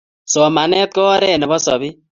Somanet ko oret nebo sobet